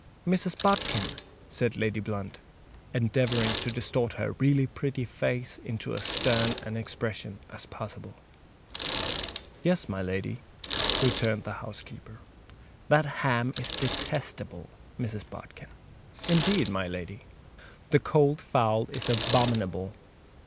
"Mrs. Bodkin!" said Lady Blunt, endeavouring to distort her really pretty face into as stern an expression as possible. "Yes, my lady," returned the housekeeper. "That ham is detestable, Mrs. Bodkin." "Indeed, my lady." "The cold fowl's abominable!"